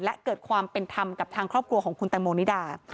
และเกิดความเป็นธรรมกับทางครอบครัวของคุณแตงโมนิดา